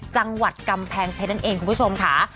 จังหวัดกำแพงเพชรนั่นเองคุณผู้ชมค่ะ